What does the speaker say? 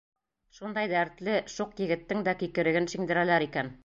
Шундай дәртле, шуҡ егеттең дә кикереген шиңдерәләр икән.